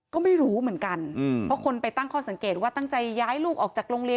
ก็ไม่รู้เหมือนกันเพราะคนไปตั้งข้อสังเกตว่าตั้งใจย้ายลูกออกจากโรงเรียน